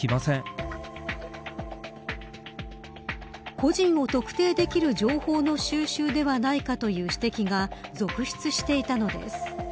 個人を特定できる情報の収集ではないかという指摘が続出していたのです。